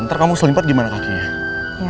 ntar kamu selimpat gimana kakinya